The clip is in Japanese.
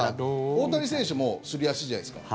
大谷選手もすり足じゃないですか。